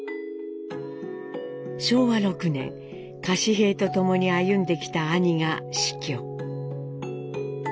昭和６年柏平と共に歩んできた兄が死去。